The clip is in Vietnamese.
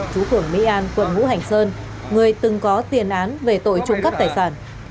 chú phường mỹ an quận vũ hành sơn người từng có tiền án về tội trụng cấp tài sản